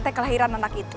akte kelahiran anak itu